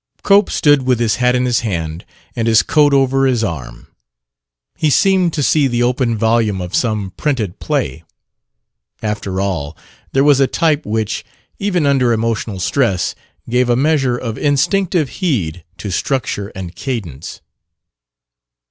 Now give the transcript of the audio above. Cope stood with his hat in his hand and his coat over his arm. He seemed to see the open volume of some "printed play." After all, there was a type which, even under emotional stress, gave a measure of instinctive heed to structure and cadence.